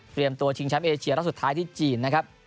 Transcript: เตรียมตัวชิงชัมเอเชียร์แล้วสุดท้ายที่จีนนะครับ